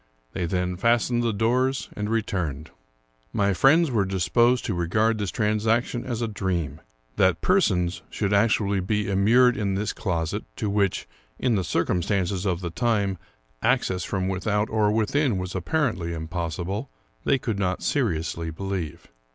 They then fastened the doors and returned. My friends were disposed to regard this transaction as a dream. That persons should be actually immured in this closet, to which, in the circumstances of the time, access from without or within was apparently impossible, they could not seriously believe.